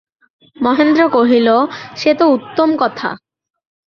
মহেন্দ্র কহিল, সে তো উত্তম কথা।